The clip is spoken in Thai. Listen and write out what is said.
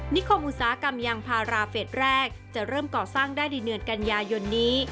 นิคมอุตสาหกรรมยางพาราเฟสแรกจะเริ่มก่อสร้างได้ในเดือนกันยายนนี้